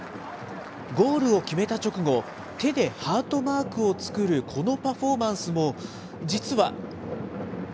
ゴールを決めた直後、手でハートマークを作るこのパフォーマンスも、実は。